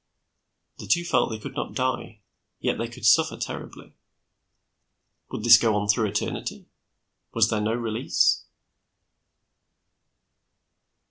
The two felt they could not die; yet they could suffer terribly. Would this go on through eternity? Was there no release?